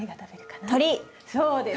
そうです。